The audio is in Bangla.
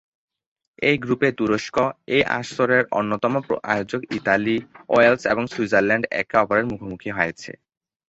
এই গ্রুপে তুরস্ক, এই আসরের অন্যতম আয়োজক ইতালি, ওয়েলস এবং সুইজারল্যান্ড একে অপরের মুখোমুখি হয়েছে।